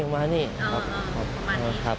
อ๋อประมาณนี้ครับ